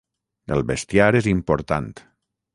El bestiar és important.